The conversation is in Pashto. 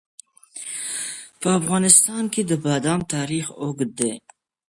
په افغانستان کې د بادام تاریخ اوږد دی.